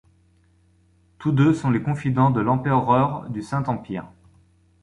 Tous deux sont les confidents de l'empereur du Saint-Empire.